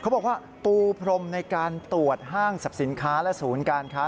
บอกว่าปูพรมในการตรวจห้างสรรพสินค้าและศูนย์การค้า